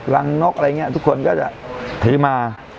นกอะไรอย่างนี้ทุกคนก็จะถือมา